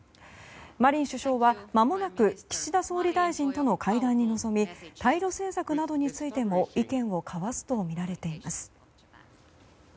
マリン首相は、まもなく岸田総理大臣との会談に臨み対露政策などについても意見を交わすとみられています。